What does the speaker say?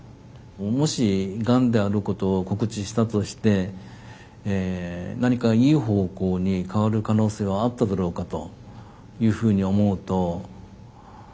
もしガンであることを告知したとして何かいい方向に変わる可能性はあっただろうかというふうに思うと。